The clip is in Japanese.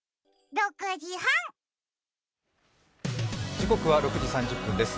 時刻は６時３０分です。